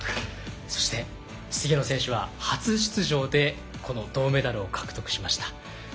そして菅野選手は初出場でこの銅メダルを獲得しました。